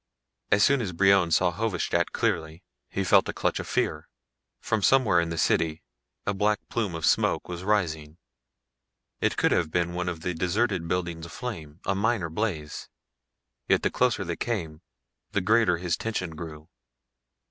As soon as Brion saw Hovedstad clearly he felt a clutch of fear. From somewhere in the city a black plume of smoke was rising. It could have been one of the deserted buildings aflame, a minor blaze. Yet the closer they came, the greater his tension grew.